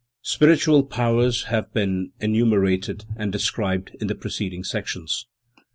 Spiritual powers have been enumerated and described in the preceding sections.